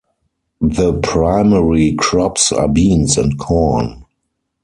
The primary crops are beans and corn.